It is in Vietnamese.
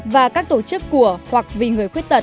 và các tổ chức của hoặc vì người khuyết tật